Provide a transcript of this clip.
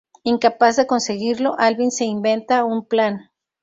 Incapaz de conseguirlo, Alvin se inventa un plan.